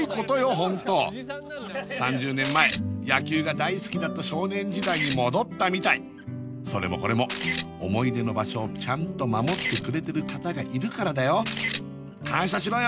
ホント３０年前野球が大好きだった少年時代に戻ったみたいそれもこれも思い出の場所をちゃんと守ってくれてる方がいるからだよ感謝しろよ